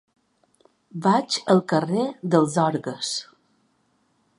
Vaig al carrer dels Orgues.